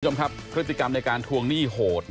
คุณผู้ชมครับพฤติกรรมในการทวงหนี้โหด